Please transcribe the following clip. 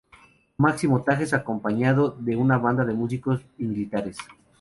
Máximo Tajes, acompañado de una banda de músicos y militares.